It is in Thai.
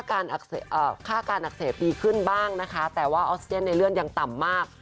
ค่าการอักเสบดีขึ้นบ้างนะคะแต่ว่าออสเตียนในเลื่อนยังต่ำมาก